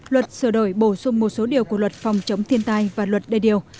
luật sửa đổi bổ sung một số điều của luật phòng chống thiên tai và luật đê điều